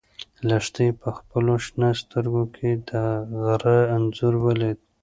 لښتې په خپلو شنه سترګو کې د غره انځور ولید.